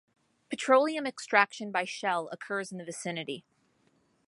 Petroleum extraction by Shell occurs in the vicinity.